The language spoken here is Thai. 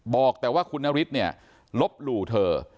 บอกแต่ว่าคุณนฤทธิ์เนี่ยลบหลู่เธอ